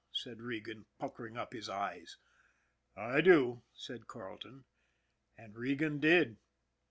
" said Regan, puckering up his eyes. " I do," said Carleton. And Regan did.